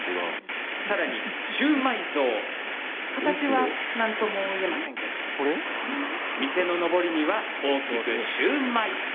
さらにシウマイ像、形はなんとも言えませんけど店ののぼりには大きくシウマイ。